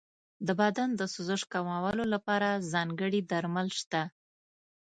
د بدن د سوزش کمولو لپاره ځانګړي درمل شته.